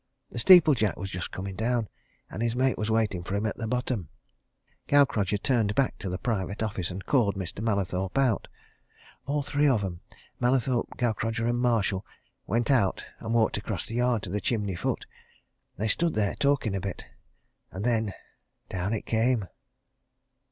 The steeple jack was just coming down, and his mate was waiting for him at the bottom. Gaukrodger turned back to the private office and called Mr. Mallathorpe out. All three of 'em, Mallathorpe, Gaukrodger, Marshall, went out and walked across the yard to the chimney foot. They stood there talking a bit and then down it came!"